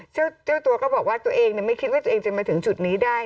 เจ้าตัวก็บอกว่าตัวเองไม่คิดว่าตัวเองจะมาถึงจุดนี้ได้